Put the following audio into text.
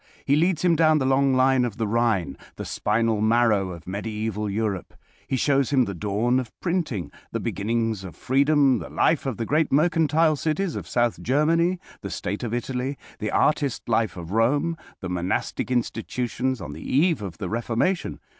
He leads him down the long line of the Rhine, the spinal marrow of Mediaeval Europe. He shows him the dawn of printing, the beginnings of freedom, the life of the great mercantile cities of South Germany, the state of Italy, the artist life of Rome, the monastic institutions on the eve of the Reformation.